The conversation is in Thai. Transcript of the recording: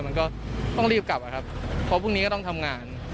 มันก็ต้องรีบกลับอะครับเพราะพรุ่งนี้ก็ต้องทำงาน